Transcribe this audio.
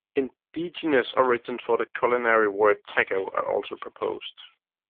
Indigenous origins for the culinary word "taco" are also proposed.